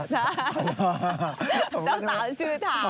เจ้าสาวชื่อถาม